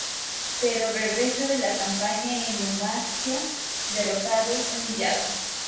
Pero regresa de la campaña en Numancia derrotado, humillado...